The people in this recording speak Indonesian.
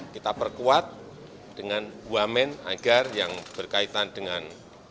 kita perkuat dengan wamen agar yang berkaitan dengan